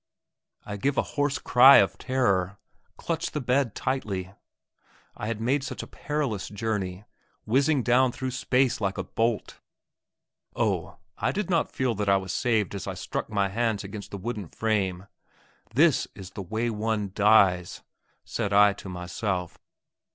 I give a hoarse cry of terror, clutch the bed tightly I had made such a perilous journey, whizzing down through space like a bolt. Oh, did I not feel that I was saved as I struck my hands against the wooden frame! "This is the way one dies!" said I to myself.